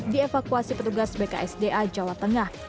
dievakuasi petugas bksda jawa tengah